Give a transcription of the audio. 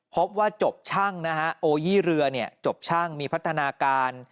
พบว่าจบช่างนะฮะโอยี่เรือเนี่ยจบช่างมีพัฒนาการ